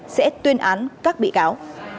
sẽ tuyên án các bị cáo